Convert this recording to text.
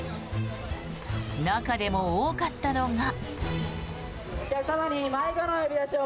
中でも多かったのが。